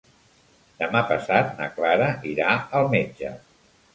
Demà passat na Clara irà al metge.